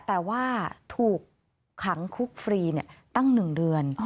แต่ว่าถูกขังคุกฟรีตั้ง๑เดือน